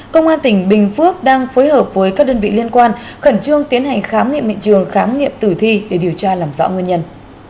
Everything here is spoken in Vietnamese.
công an tỉnh bình phước đang phối hợp với các đơn vị liên quan khẩn trương tiến hành khám nghiệm bệnh trường khám nghiệm tử thi để điều tra làm rõ nguyên nhân